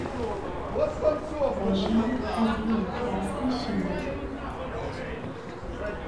ڕۆژین حەزی لە کراسی شینە.